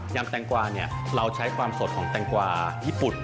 แตงกวาเราใช้ความสดของแตงกวาญี่ปุ่น